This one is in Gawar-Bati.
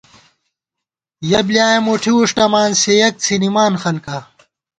یَہ بۡلیایَہ مُٹھی وُݭٹَمان سےیَک څھِنَمان خلکا